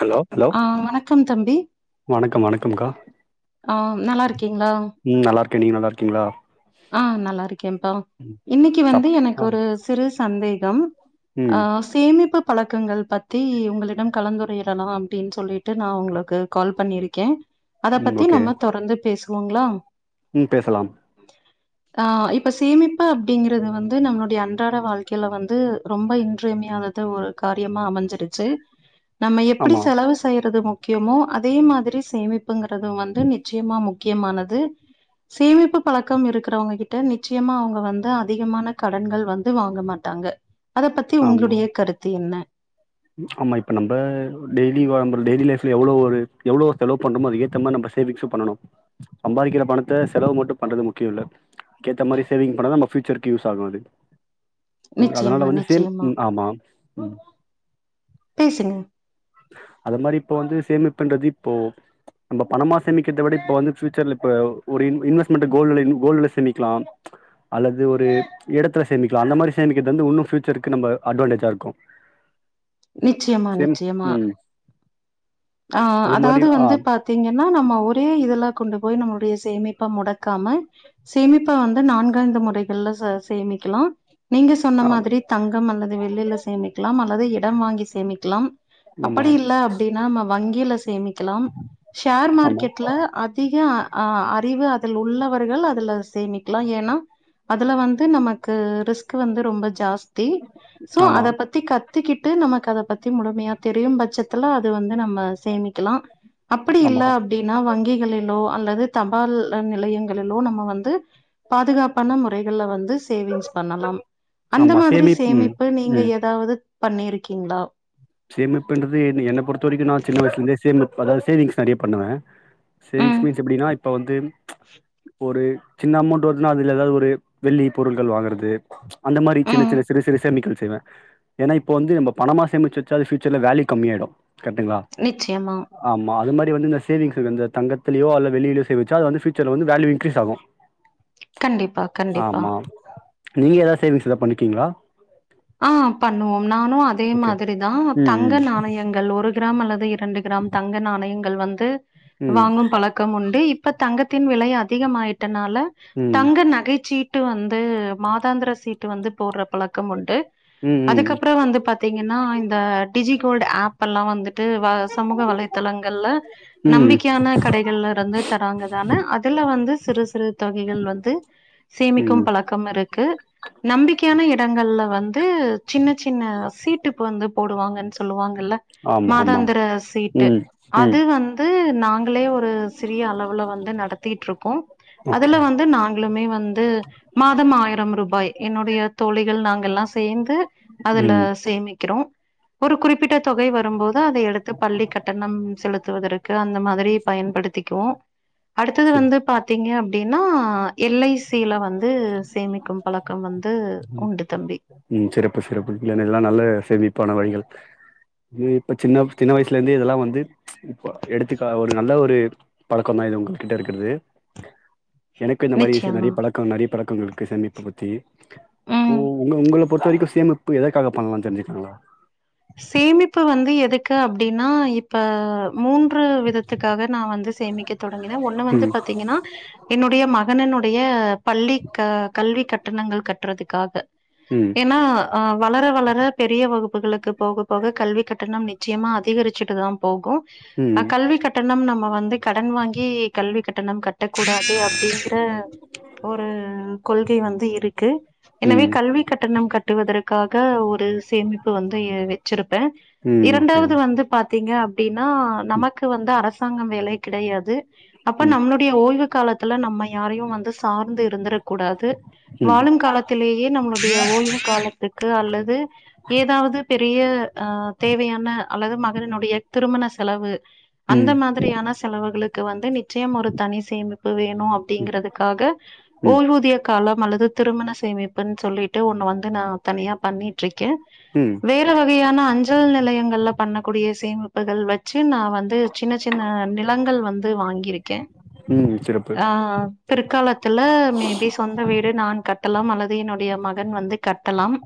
Hello hello ஆஹ் வணக்கம் தம்பி வணக்கம் வணக்கம்க்கா ஆஹ் நல்லார்க்கீங்களா க்க நீங்க நல்லார்க்கீங்களா ஆஹ் நல்லாருக்கேன்ப்பா இன்னைக்கு வந்து சாப்ட்டீங்களா எனக்கொரு சிறு சந்தேகம் ம் ஆஹ் சேமிப்பு பழக் க்கங்கள் பத்தி உங்களிடம் கலந்துரையிடலாம் அப்டின் சொல்லிட்டு நா உங்களுக்கு கால் பண்ணிருக்கே அத ம் பத்தி ஓகே நம்ம தொடர்ந்து பேசுவோங்களா ம் பேசலாம் ஆஹ் இப்ப சேமிப்பு அப்டிங்கிறது வந்து நம்மளுடைய அன்றாட வாழ்க்கைல வந் து ரொம்ப இன்றியமையானது ஒரு காரியமா அமஞ்சிருச்சு நம்ம எப்டி ஆமா செலவு செய்யறது முக்யமோ அதே மாதிரி சேமிப் புங்கறது வந்து நிச்சியமா முக்கியமானது சேமிப்பு பழக்கம் இருக் க்கிறவங்க கிட்ட நிச்சியமா அவுங்க வந்து அதிகமான கடன்கள் வந்து வாங்க மாட்டாங்க அத பத்தி ஆமா உங்களுடைய கருத்து என்ன ஆமா இப்ப நம்ப டெய்லிவாம்பறது டெய்லி லைஃப்ல எவ்ளோ ஒரு எவ்ளோ செலவு பண்றமோ அதுக்கேத்த மாரி நம்ப சேவிங்சு பண்ணனு சம்பாரிக்கிற பணத்த செலவ் ப்போ மட்டு பண்றது முக்கியோ இல்ல கேத்த மாரி சேவிங் பண்ணா தா நம்ப ஃப்யூச்சர்க்கு யூஸ் ஆகு அது உ நிச்சயமா அதனால வந்து சேம் நிச்சயமா ம் ஆமா ம் பேசுங்க அத மாரி இப்போ வந்து சேமிப்புண்றது இப்போ நம்ப பணமா சேமிக்கிறத விட இப்ப வந்து ஃப்யூச்சர்ல இப்ப ஒரு இன் இன்வெஸ்ட்மெண்ட் கோல்ல கோல்டுல சேமிக்கலா அல்லது ஒரு எடத்துல சேமிக்கலாம அந்த மாரி சேமிக்கிறது வந்து உன்னு ஃபியூச்சருக்கு நம்ப அட்வான்டேஜா இருக்கு நிச்சியமா சேம் நிச்சியமா ம் ஆஹ் அது மாரி அதாவது ஆ வந்து பாத்தீங்கன்னா நம்ம ஒரே இதுல கொண்டு போய் நம்மளுடைய சேமிப்பா முடக்காம சேமிப்பா வந்து நான்காய்ந்து முறைகள்ல ச சேமிக்கலா நீங்க சொன்ன ஆம் மாதிரி தங்கம் அல்லது வெள்ளில சேமிக்லாம் அல்லது இடம் வாங்கி சேமிக்லாம் ஆமா அப்படி இல்ல அப்டின்னா நம்ம வங்கில சேமிக்கலாம் ஷேர் ஆமா மார்க்கெட்ல அதிக அ அறிவு அதில் உள்ளவர்கள் அதுல சேமிக்கலா என் னா அதுல வந் து நமக்கு ரிஸ்க் வந்து ரொம்ப ஜாஸ்தி சோ ஆமா அத பத்தி கத்துக்கிட்டு நம க்கத பத்தி முழுமையா தெரியும் பட்சத்துல அது வந்து நம்ம சேமிக்கலா அப்படி இல்ல ஆமா அப்டின்னா வங்கிகளிலோ அல்லது தபால் நிலையங்களிலோ நம்ம வந்து பாதுகாப்பான முறைகள்ல வந்து சேவிங்ஸ் பண்ணலாம் அந்த ஆமா மாதிரி சேமிப் ம் சேமிப்பு நீங்க ம் ஏதாவது பண்ணிருக்கீங்களா சேமிப்புன்றது என் என்ன பொறுத்த வரைக்கு நான் சின்ன வயசுலிந்தே சேமிப்பு அதாவது சேவிங்ஸ் நறையா பண்ணுவ சேவிங்ஸ் ம், மீன்ஸ் எப்டின்னா இப்ப வந்து ஒரு சின்ன அமௌண்ட் வருதுன்னா அதுல எதாவது ஒரு வெள்ளி பொருள்கள் வாங்குறது அந்த மாரி சின்ன ம். சின்ன சிறு சிறு சேமிக்கள் செய் வ ஏன்னா இப்போ வந்து நம்ப பணமா சேமிச்சு வச் சாரி ஃபியுச்சர்ல வேல்யு கம்மி ஆயிடு கரெட்டுங்ளா நிச்சயமா. ஆமா அது மாரி வந்து இந்த சேவிங்ஸ் வந்து தங்கத்துலயோ அல்ல வெள்ளியிலயோ சேவிச்சா அது வந்து ஃபியூச்சர்ல வந்து வேல்யூ இன்க்ரீஸ் ஆகு கண்டிப்பா கண்டிப்பா நீங்க ஏதாது சேவிங்ஸ் ஏத பண்ணிக்கீங்ளா ஆ பண்ணுவோம் நானு அதே மாதிரிதா ம், தங்க ம். நாணயங்கள் ஒரு கிராம் அல்லது இரண்டு கிராம் தங்க நாணயங்கள் வந்து ம். வாங்கும் பழக்கம் உண்டு இப் ப தங்கத்தின் விலை அதிகமாயிட்டனால ம். தங்க நகைச்சீட் டு வந்து மாதாந்திர சீட்டு வந்து போட்ற பழக்கம் உண்டு ம், ம். அதுக்கப்றோ வந்து பாத்தீங்கன்னா இந்த டிஜிகோல்டு ஆப் எல்லா வந்துட் டு சமூக வலைதளங்கல்ல ம். நம்பிக்கையான கடைகள்ல இருந்து தராங்கதான அது ல வந்து சிறு சிறு தொகைகள் வந்து சேமிக்கும் ம். பழக்கம் இருக்கு நம்பிக்கையான இடங்கள்ல வந்து சின்ன சின்ன சீட்டுப்பு வந்து போடுவாங்கன் சொல்லுவாங்க ல்ல ஆமா, ஆமாம். மாதாந்திர சீட்டு ம். ம். அது வந்து நாங்களே ஒரு சிறிய அளவுல வந்து நடத்திகிட்ருக்கோ அதுல ஓகே. வந்து நாங்களுமே வந்து மாதம் ஆயிரம் ரூபாய் என்னுடைய தோழிகள் நாங்க எல்லா சேந்து அதுல ம். சேமிக்கிறோ ஒரு குறிப்பிட்ட தொகை வரும்போ து அதை எடுத்து பள்ளி கட்டணம் செலுத்துவதற்கு அந்த மாதிரி பயன்படுத்திக்குவோ அடுத்தது சிற் வந்து பாத்தீங்க அப்டின்னா எல் ஐ சி யில வந்து சேமிக்கும் பழக்கம் வந்து உண்டு தம்பி ம் சிறப்பு சிறப்பு இதெல்லாம் நல்ல சேமிப்பான வழிகள் இப்ப சின்ன சின்ன வயசுல இருந்தே இதெல்லா வந்து இப்ப எடுத்துக்க ஒரு நல்ல ஒரு பழக்கோ தா இது இது உங்கள் கிட்ட இருக்கறது [inaudible] எனக்கு இந்த மாரி சி நிச்சயமா. நறைய பழக்க நறைய பழக்கங்களுருக்கு சேமிப்பூ பத்தி உ ம். உங்க உங்கள பொறுத்த வரைக்கு சேமிப்பு எதற்காக பண்ணலான் தெரிஞ்சுக்ளாங்ளா சேமிப்பு வந்து எதுக்கு அப்டின்னா இப்ப மூன்று விதத்துக்காக நா வந்து சேமிக்க தொடங்கினே ஒன்னு வந்து ம் பாத்தீங்கன்னா என்னுடைய மகன டைய பள்ளி க கல்வி கட்டணங்கள் கட்டுறதுக்காக ம் ஏன்னா அ வளர வளர பெரிய வகுப் களுக்கு போக போக கல்வி கட்டணம் நிச்சயமா அதிகரிச்சுட்டு தா போகூ அ ம் கல்வி கட்டணம் நம்ம வந்து கடன் வாங்கி கல்வி கட்டணம் கட்ட கூடாது அப்டிங்ற ஒரு கொள்கை வந்து இருக்கு எனவே ம் கல்வி கட்டணம் கட் கட்டுவதற்காக ஒரு சேமிப்பு வந்து வச்சிருப்பே ம் ஓகே இரண்டாவது வந்து பாத்தீங்க அப்டின்னா ம் நமக்கு வந்து அர அரசாங்கம் வேலை கிடையாது அப்ப ம் நம்மளுடைய ஓய்வு காலத்துல நம்ம யாரையு வந்து சார்ந்து இருந்துரக்கூடாது ம் வாழும் காலத்திலேயே நம்மளுடைய ஓய்வு காலத்துக்கு அல்லது ஏதாவது பேய அ தேவையான அல்லது மகளினுடைய திருமண செலவு அந்த ம் மாதிரியான செலவுகளுக்கு வந்து நி நிச்சயம் ஒரு தனி சேமிப்பு வேணு அப்டிங்கிறதுக்காக ம் ஓய்வூதிய காலம் அல்ல து திருமண சேமிப்புன் சொல்லிட்டு ஒன்னு வந்து நா தனியா பண்ணிட் ருக்கே ம் வேற வகையான அஞ்சல் நிலையங்கள்ல பண்ணக்கூடிய சேமிப்புகள் வந் து நான் வந்து சின்ன சின்ன நிலங்கள் வந்து வாங்கியிருக்கே ம் சிறப்பு ஆ பிற்காலத்துல மேபி சொந்த வீடு நான் கட்டலாம் அல்லது என்னுடைய மகன் வந்து கட்டலாம்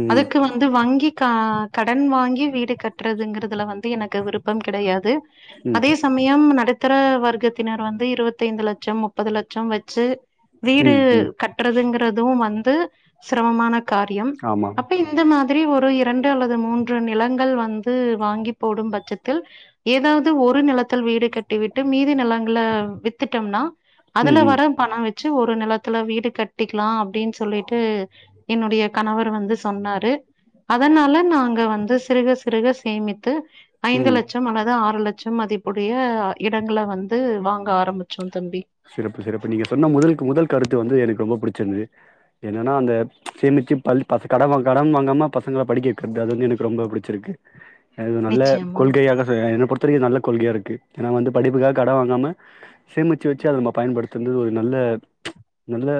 ம் ம் அதுக்கு வந்து வங்கி அ கடன் வாங்கி வீடு கட்றதுங்குறதுல வந்து எனக்கு விருப்பம் கிடையாது அதே சமயம் ம் நடுத்தர வர்க்கத்தினர் வந்து இருவத்தைந்து லட்சம் முப்பது லட்சம் வச்சு வீடு ம் ம் கட்டுறதுங்குற துவும் வந்து சிரமமான காரியம் ஆமா அப்ப இந்த மாதிரி ஒரு இரண்டு அல்லது மூன்று நிலங்கள் வந்து வாங்கி போடும் பட்சத்தில் ஏதாவது ஒரு நிலத்தில் வீடு கட் ட்டிவிட்டு மீதி நெலங்கள வித்துட்டோம்னா ம் அதுல ம் வர பண வச் வச்சு ஒரு நெலத்துல வீடு கட்டிக்லா அப்டின் சொல்லிட்டு என்னுடைய கணவர் வந்து சொன்னாரு அதனால நாங்க வந்து சிறுக சிறுக சேமித்து ஐந்து ம் லெட்சம் அல்லது ஆறு லெட் ட்சம் மதிப்புடய இடங்கள வந்து வாங்க ஆரம்பிச்சோ தம்பி சிறப்பு சிறப்பு நீங்க சொன்ன முதல்கு முதல் கருத்து வந்து எனக்கு ரொம்ப பிடிச்சுருந்தது என்னனா அந்த சேமுச்சு பல் பசு கடம கடன் வாங்காம ப சங்கள படிக்கவக்றது அது வந்து எனக்கு ரொம்ப புடுச்சுருக்கு அது நல்ல நிச்சயமா கொள்கையாதான என்னபொறுத் தவரைகு நல்ல கொள்கையா இருக்கு ஏன்னா வந்து படிப்புகாக கடன் வாங்காம சேமுச் வச்சுவச்சு அத நம்ம பயன்படுத்துன ஒரு நல்ல நல்ல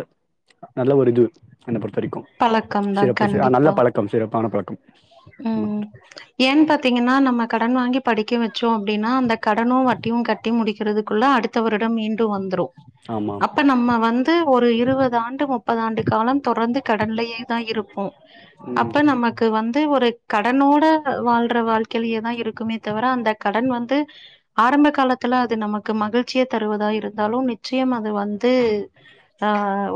நல்ல ஒரு இதுவு என்ன பொறுத்தரைக்கு பழக்கம் தா சிறப்பு ச நல்ல கண்டிப்பா பழக்கம் சிறப்பான ஆமா ம் ஏன் பாத்தீங்கன்னா நம்ம கடன் வாங்கி படிக் டிக்க வச்சோ அப்டின்னா அந்த கடனு வட்டியு கட்டி முடிக்கிறதுகுள்ள அடுத்தவரிடம் மீண்டு வந்துரு ஆமாம். அப்ப நம்ம வந்து ஒரு இருவது ஆண்டு முப்பது ஆண்டு காலம் தொடர்ந்து கடன்லயே தா இருப்போ ம் அப்ப நமக்கு வந் ஒரு கடனோட அ வாழ்ற வாழ்கைலயே தா இருக்குமே தவிர அந்த க கடன் வந்து ஆரம்ப காலத்தில அது நமக்கு மகிழ்ச்சிய தருவதா இருந்தாலு நிச்சயம் அது வந் து ஆ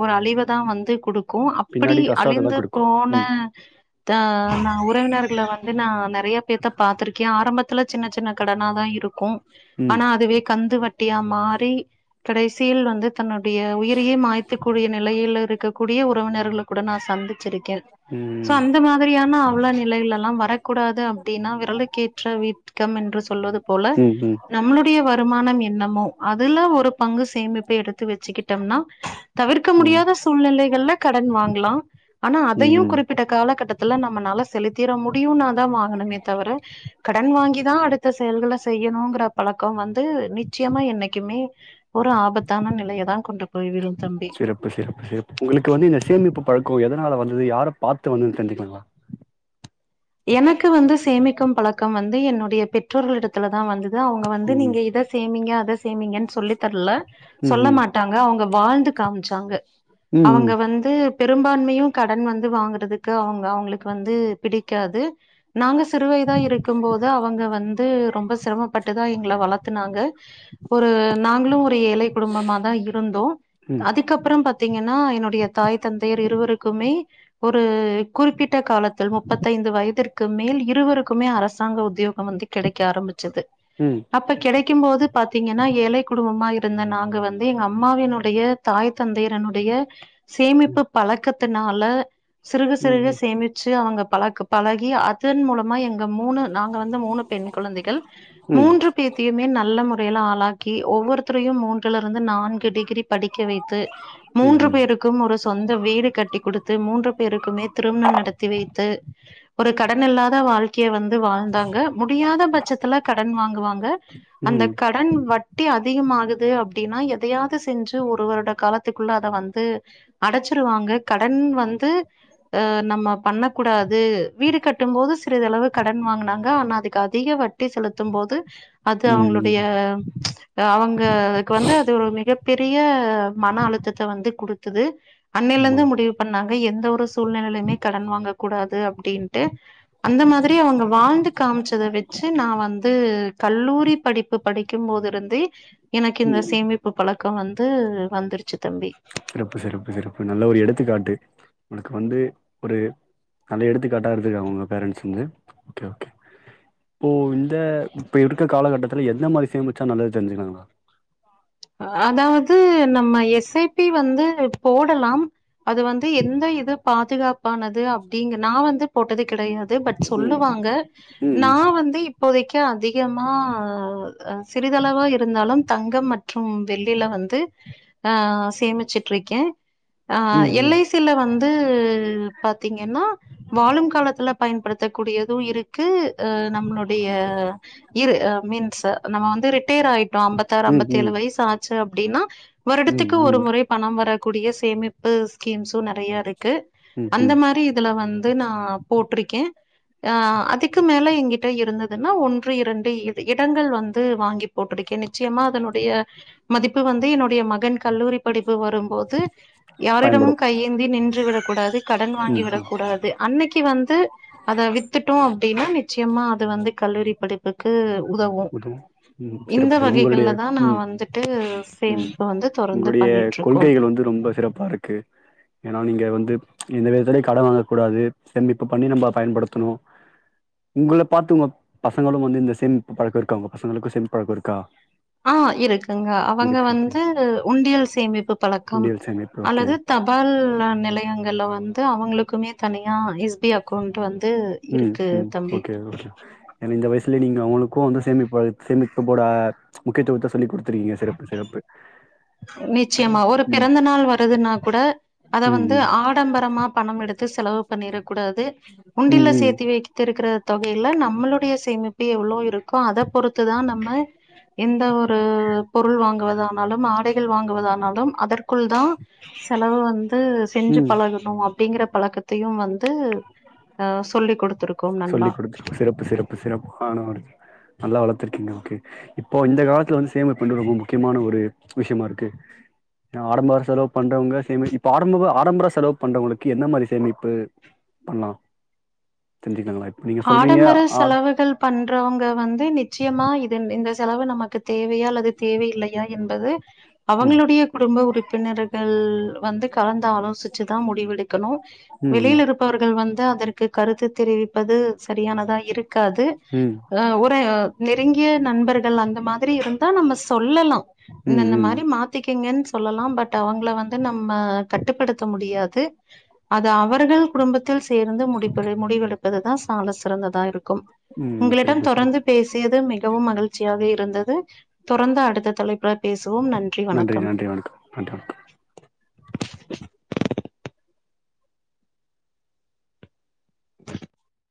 ஒரு அழிவ தா வந்து குடுக்கூ அப்படி பின்னாடி கஷ்டத்த தா அழிந்து குடுக்கு போன ம் த ன உறவினர்கள வந்து நா நெறயா பேத்த பாத்துருக்கே ஆரம்பத் துல சின்ன சின்ன கடனா தா இருக்கூ ம் ஆனா அதுவே கந்து வட்டியா மாறி கடைசியில் வந்து தன்னுடைய உயிரையே மாய்த்துக் கூடிய நிலையில் இருக்கக்கூடிய உறவினர்கள கூட நா சந்துச்சுருக்கே சோ ம் அந்த மாதிரியான அ நிலையிலெல்லா வரகூடாது அப்டின்னா விரலுக்கேற்ற வீட்கம் என்று சொல்வது போல ம் நம்ளுடைய வ வருமானம் என்னமோ அதுல ஒரு பங்கு சேமிப்ப எடுத்து வச்சிக்கிட்டம்னா தவிர்க்க ம் ம் முடியாத சூழ்நிலைக் எல்லா கடன் வாங்லா ஆனா அதையு ம் குறிப்பிட்ட காலகட்டத்துல நம்மலால செலுத்திர முடியுனா தா வாங்கனுமே தவுர கடன் வாங்கி தா அடுத்த செயல்கள செய்யனுங்குற பழக்கம் வந் ந்து நிச்சியமா என்னைக்குமே ஒரு ஆபத்தான நிலையதா கொண்டு போய் விடும் தம்பி சிறப்பு சிறப்பு சிறப்பு உங்களுக்கு வந்து இந்த சேமிப்பு பழக் கோ எதுனால வந்தது யாரா பாத்து வந்ததுனு தெரிஞ்சுக்லாங்களா எனக்கு வந்து சேமிக்கும் பழக்கம் வந்து என்னுடைய பெற்றோர்களிடத்துல தா வந்தது அதா அவுங்க வந்து ம் நீங்க இத சேமீங்க அத சேமிங்கனு சொல்லி தர்ல ம் ம் சொல்லமாட்டாங்க அவுங்க வாழ்ந்து காம்ச்சாங்க அவங்க ம் வந்து பெரும்பான்மையும் கடன் வந்து வாங்குறதுக்கு அவங்க அவங்களுக்கு வந்து பிடிக் க்காது நாங்க சிறுவயதா இருக்கும் போது அவுங்க வந்து ரொம்ப சிரமப்பட்டுதா எங்கள வளத் தாங்க ஒரு நாங்ளு ஒரு ஏழை குடும்பமாதா இருந்தோ ம் அதுக்கப்றம் பாத்தீங்கன்னா என்னுடைய தாய் தந்தையர் இருவருக்குமே ஒரு குறிப்பிட்டக் காலத்தில் முப் பது வயதிற்கு மேல் இருவருக்குமே அரசாங்க உத்தியோக் கம் வந்து கெடைக்க ஆரம்பிச்சது ம் அப்ப கெடைக்கும்போது பாத்தீங்கன்னா ஏழை குடும்பமா இருந்த நாங்க வந்து எங்க அம்மாவினுடைய தாய் தந்தையரனுடைய சேமிப்பு பழக்கத்துனால சிறுக ம் ம் ம் சிறுக சேமிச்சு அவங்க பழாக்கு பழகி அதன் மூலம் அம்மா எங்க மூணு நாங்க வந்து மூணு பெண் குழந்தைகள் மூன்று ம் பேத்தியுமே நல்ல முற் றைல ஆளாக்கி ஒவ்வொருத்தரையு மூன்றுல இருந்து நான்கு டிகிரி படிக்க வைத்து மூன்று ம் பேருக்கும் ஒரு சொந்த வீடு கட்டி கொடுத்து மூன்று பேருக்குமே திருமண ம் நடத்தி வைத்து ஒரு கடன் இல்லாத வாழ்க் கைய வந்து வாழ்ந்தாங்க முடியாத பட்சத்துல கடன் வாங்குவாங்க ம் அந்த ம் கடன் வட்டி அ திகமாகு து அப்டின்னா எதையாவது செஞ்சு ஒரு வருட காலத்துக்குள்ள அத வந்து அடச்சிருவாங்க கடன் ம் வந்து அ நம்ம பண்ணக்கூடாது து வீடு கட்டும் போது சிறிதளவு கடன் வாங்குனாங்க ஆனா அதுக்கு அதிக வட்டி செலுத்தும் போது அது ம் அவங்களுடைய ம் அ அவங்களுக்கு வந்து அது ஒரு மிகப் பெரிய மன அழுத்தத்த வந்து கொடுத் துது அண்ணையில இருந்தா ஆமாம் முடிவு பண்ணாங்க எந்த ஒரு சூழ்நெலைலயுமே கடன் வாங்க கூடா து அப்டின்ட்டு அந்த மாதிரி அவங்க வாழ்ந்து காமிச்சத வச்சு நா வந்து கல்லூ ரி படிப்பு படிக்கும் போது இருந்தே எனக்கு இந்த ம் சேமிப்பு பழக்க வந்து வந்துரு சிறப்பு சிறப்பு சிறப்பு நல்ல ஒரு எடுத்துக்காட்டு உனக்கு வந்து ஒரு நல்லா எடுத்துக்காட்டா இருந்திருக்காங்க உங்க பேரண்ட்ஸ் வந்து ஒகே ஒகே இப்போ இந்த இப்ப இருக்க காலகட்டத்துல எந்த மாரி சேமிச்சா நல்லது தெரிஞ்சுக்களாங்களா அ அதாவது நம்ம எஸ் ஐ பி வந்து போடலாம் அது வந்து எந்த இது பாதுகாப்பானது அப்டிங்கு நா வந்து போட்டதே கெடையாது பட் ம் சொல்லுவாங்க நா ம் வந்து இப் போதைக்கு அதிகமா அ அ சிறிதளவா இருந்தாலு தங்க ம ற்றும் வெள்ளில வந்து ஆ சேமிச்சுட்ருக்கே ஆ ம் எல் ம் ஐ சி ல வந்து ம் பாத்தீங்கன்னா வாழும் காலத்துல பயன்படுத்தக்கூடியதுமக்ஷ இருக்கு அ நம்மளுடைய ஆ இரு அ மீன்ஸ் நம்ம வந்து ரி டேர் ஆயிட்டு அம்பத்தாறு ம் ம் அம்பத்தி ஏழு ம் வயசு ஆச்சு அப்டின்னா ம் வருடத்துக்கு ஒரு ம் முறை பணம் வர கூடிய சேமிப்பு ஸ்கீம்ஸு நெறைய இருக் கு ம் அந்த ம். மாரி இதுல வந்து நா போட்ருக்கே அ அதுக்கு மேல எங்கிட்ட இருந்ததுன்னா ஒன்று இரண்டு இ இடங்கள் வந்து வாங்கி போட்டுருக் கே நிச்சயமா அதனுடைய மதிப்பு வந்து என்னுடைய மகன்க் கல்லூரி படிப்பு வரும்போது யாரிடமும் பயன்படும் கையேந்தி நின்று விடக்கூடாது கடன் வாங்கி ம் விடக் ம் கூடாது அன்னைக்கு வந்து அத வித்துட்டோ அப்டின்னா நிச்சயமா து வந்து கல்லூரி படிப்புக்கு உதவு உதவும் ம் இந்த சிறப்பு சிறப்பு உங்களுடைய வகைகள்ல நா ம் வந்துட்டு ம் சேமிப்பு வந்து தொடர்ந்து உங்களுடைய பண்ணிட்ருக்கோம். கொள்கைகள் வந்து ரொம்ப சிறப்பா இருக்கு ஏன்னா நீங்க வந்து எந்த விதத்துலயு கடன் வாங்கக் கூடாது செமிப்ப பண்ணி நம்ப பயன்படுத்தணு உங்கள பாத்து உங்க பசங்களு வந்து இந்த சேமிப்பு பழக்க இருக்கா உங்க பசங்களுக்கு சேமிப்பு பழக்க இருக்கா ஆ இருக்குங்க அவங்க இருக்கு ஓகே வந்து உண்டியல் சேமிப்பு பழக்கம் உண்டியல் சேமிப்பு ஓகே அல்லது தபால் அ நிலையங்கள்ல வந்து அவங்களுக்குமே தனியா எஸ் டி அக்கவுண்ட் வந்து ம் இருக்கு தம்பி இல்ல நீங்க அவங்களுக்கு வந்து சேமிப்பு சேமிப்பு போட முக்கியத்துவத்த சொல்லி் கொடுத்திருக்கீங்க சிறப்பு சிறப்பு நிச்சயமா ம் ஒரு ம் பிறந்த நாள் வருதுன்னா கூட அத வந்து ம் ஆடம்பரமா பணம் எடுத்து செலவு பண்ணிறக்கூடாது ம் உண்டில்ல ம் சேத்தி வைத்திருக்கிற தொகையில நம்மளுடைய சேமிப்பு எவ்ளோ இருக்கு அத பொறுத்துதா நம்ம எந்த ஒரு பொருள் வாங்குவதானாலும் ஆடைகள் வாங்குவதானாலும் அதற்குள் தா செலவு வந்து செஞ்சு ம் பழகணு அப் டிங்கிற பழக்கத்தையு வந்து அ சொல்லிக் கொடுத்துருக் சொல்லிக் கொடுத்துருக் சிறப்பு சிறப்பு சிறப்பு ஆனால் நல்லா வளத்துருக்கீங்க ஓகே இப்போ இந்த காலத்துல வந்து சேமிப்பு பண்றது ரொம்ப முக்கியமான ஒரு விஷயமா இருக்கு [inaudible] ஆடம்பர செலவு பண்றவங்க சேமி இப்ப ஆடம்பர ஆடம்பர செலவு பண்றவங்கள்க்கு என்ன மாரி சேமிப்பு பண்லா தெரிஞ்சுக்கங்களா இப்ப நீங்க சொல்றீங்க ஹாடம்பர ஆர் செலவுகள் பண்றவங்க வந்து நிச்யமா இதன் இந்த தெலவ நமக்கு தேவயா அல்லது தேவையில்லையா என்பது ம் அவங்ளுடிய குடும்ப உறுப்பினர்கள் வந்து கலந்து ஆலோசுச்சுதா முடிவெடுக்கணு ம் ம் வெளியில் இருப்பவர்கள் வந் அதற்கு கருத்து தெரிவிப்பது சரியானதா இருக்காது ம் [unintelligible] நெருங்ய நண்பர்கள் அந்த மாதுரி இருந்தா நம்ம சொல்லலா ம் இந்தந்த ம் மாரி மாத்திக்கிங்கன் சொல்லலா பட் அவங்ள வந்து நம்ம கட்டுப்படுத்த முடியாது அது அவர்கள் குடும்பத்தில் சேர்ந்து முடிப்பரு முடிவெடுப்பதுதா சாலஸ் பிறந்ததா இருக்கும் ம் உங்களிடம் சிறப்பு சிறப்பு தொடர்ந்து பேசியது மிகவும் மகிழ்ச்சியாக இருந்தது தொரந்து அடுத்த தலைப்புல பேசுவோம் நன்றி வணக்கம் நன்றி வணக்கம் நன்றி வணக்கம் [inaudible] [inaudible]